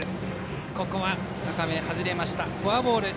ここは高め外れてフォアボール。